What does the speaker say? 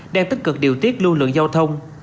đang tích cực điều tiết lưu lượng giao thông